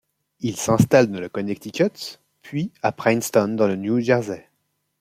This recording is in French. Ils s'installent dans le Connecticut, puis à Princeton dans le New Jersey.